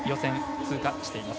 通過しています。